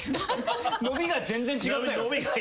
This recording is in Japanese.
伸びが全然違ったよ。